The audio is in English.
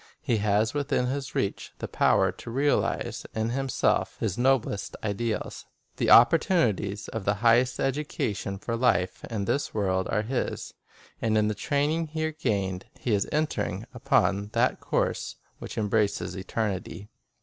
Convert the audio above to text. He has within his reach the power to realize in himself his noblest ideals. The oppor tunities of the highest education for life in this world are his. And in the training here gained, he is enter ing upon that course which embraces eternity.